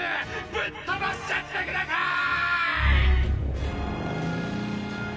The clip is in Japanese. ぶっ飛ばしちゃってください！！